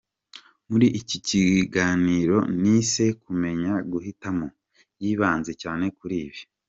Muri iki kiganiro nise « Kumenya guhitamo » yibanze cyane kuri ibi :.